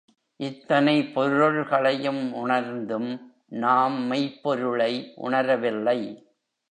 இத்தனை பொருள்களையும் உணர்ந்தும் நாம் மெய்ப்பொருளை உணரவில்லை.